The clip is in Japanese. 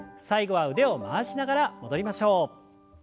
最後は腕を回しながら戻りましょう。